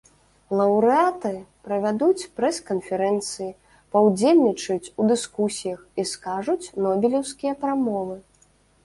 Лаўрэаты правядуць прэс-канферэнцыі, паўдзельнічаюць у дыскусіях і скажуць нобелеўскія прамовы.